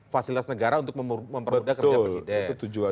fasilitas negara untuk mempermudah kerja presiden